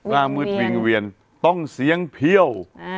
ว่ามืดวิ่งเวียนต้องเสียงเพี่ยว